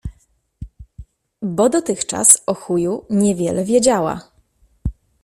Bo dotychczas o chuju niewiele wiedziała -